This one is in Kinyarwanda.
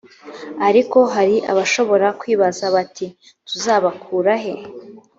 ariko hari abashobora kwibaza bati tuzabakurahe